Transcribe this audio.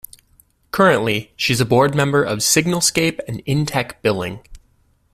Currently, she is a board member of Signalscape and Intec Billing.